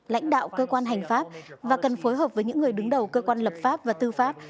lãnh đạo cơ quan hành pháp và cần phối hợp với những người đứng đầu cơ quan lập pháp và tư pháp